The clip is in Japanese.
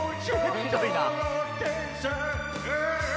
ひどいな。